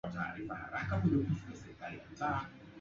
nyingi za Amerika ya Kusini zilikuwa zikifaulu kupata